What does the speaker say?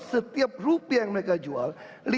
setiap rupiah yang mereka jual